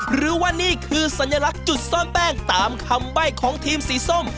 หรือว่านี่คือสัญลักษณ์จุดซ่อนแป้งตามคำใบ้ของทีมสีส้ม